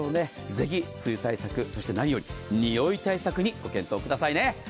ぜひ、梅雨対策そして何よりにおい対策にご検討くださいね。